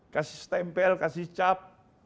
kasih setempel kasih cap